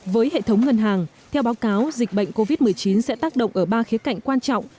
với hệ thống ngân hàng theo báo cáo dịch bệnh covid một mươi chín sẽ tác động ở ba khía cạnh quan trọng